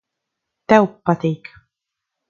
Tev patīk.